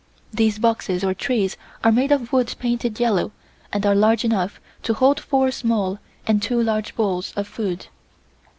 These boxes or trays are made of wood painted yellow and are large enough to hold four small and two large bowls of food.